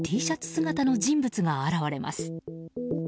姿の人物が現れます。